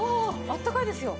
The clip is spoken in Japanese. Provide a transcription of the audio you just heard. あったかいですよ。